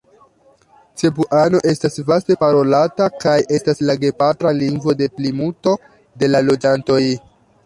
Cebuano estas vaste parolata kaj estas la gepatra lingvo de plimulto de la loĝantoj.